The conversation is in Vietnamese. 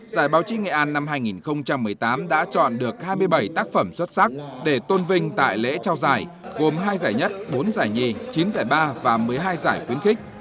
giải báo chí nghệ an năm hai nghìn một mươi tám đã chọn được hai mươi bảy tác phẩm xuất sắc để tôn vinh tại lễ trao giải gồm hai giải nhất bốn giải nhì chín giải ba và một mươi hai giải khuyến khích